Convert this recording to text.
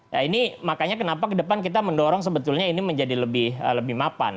nah ini makanya kenapa ke depan kita mendorong sebetulnya ini menjadi lebih mapan